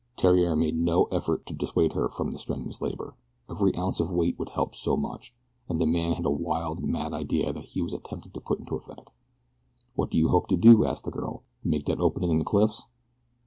Theriere made no effort to dissuade her from the strenuous labor every ounce of weight would help so much, and the man had a wild, mad idea that he was attempting to put into effect. "What do you hope to do?" asked the girl. "Make that opening in the cliffs?"